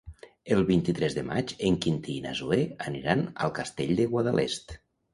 El vint-i-tres de maig en Quintí i na Zoè aniran al Castell de Guadalest.